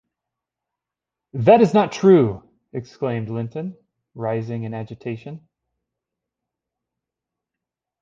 ‘That is not true!’ exclaimed Linton, rising in agitation.